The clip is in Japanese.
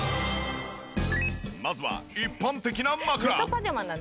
まずは一般的な枕。